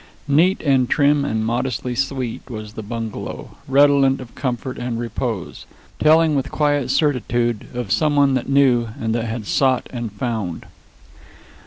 Neat and trim and modestly sweet was the bungalow, redolent of comfort and repose, telling with quiet certitude of some one that knew, and that had sought and found.